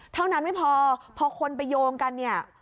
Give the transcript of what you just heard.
เท่านั้นไม่พอพอคนไปโยงกันเนี่ย